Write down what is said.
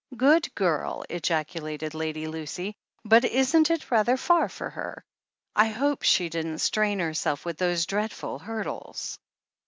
"Good girl!" ejaculated Lady Lucy. "But isn't it rather far for her? I hope she didn't strain herself with those dreadful hurdles.